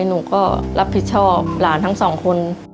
หนูก็รับผิดชอบหลานทั้งสองคน